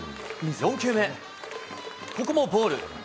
４球目、ここもボール。